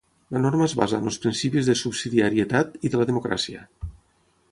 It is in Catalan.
La norma es basa en els principis de subsidiarietat i de la democràcia.